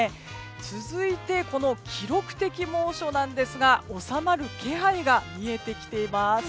続いてこの記録的猛暑なんですが収まる気配が見えてきています。